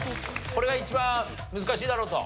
これが一番難しいだろうと？